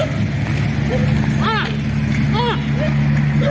โอ้โฮหมดแยกหมดแยกขอโทษหน่อยค่ะ